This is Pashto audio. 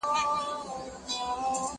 زه پرون سبزېجات جمع کړل!